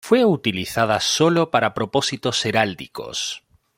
Fue utilizada solo para propósitos heráldicos.